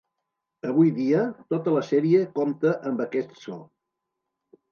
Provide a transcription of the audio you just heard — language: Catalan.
Avui dia, tota la sèrie compta amb aquest so.